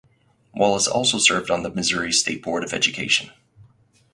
Wallace also served on the Missouri State Board of Education.